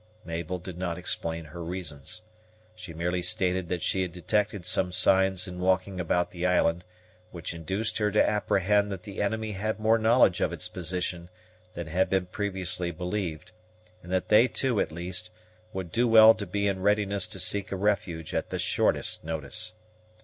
Mabel did not explain her reasons. She merely stated that she had detected some signs in walking about the island, which induced her to apprehend that the enemy had more knowledge of its position than had been previously believed, and that they two at least, would do well to be in readiness to seek a refuge at the shortest notice.